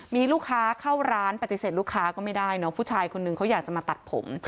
มีลูกค้าเข้าร้านปฏิเสธลูกค้าก็ไม่ได้เนอะผู้ชายคนนึงเขาอยากจะมาตัดผม